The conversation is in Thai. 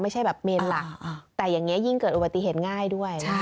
ไม่ใช่แบบเมนหลักแต่อย่างนี้ยิ่งเกิดอุบัติเหตุง่ายด้วย